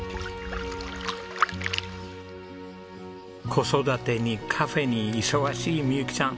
子育てにカフェに忙しい未佑紀さん。